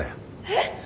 えっ！？